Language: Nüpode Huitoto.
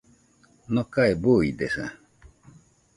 Nokae buidesa